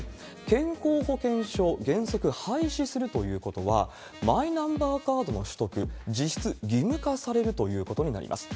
健康保険証、原則廃止するということは、マイナンバーカードの取得、実質義務化されるということになります。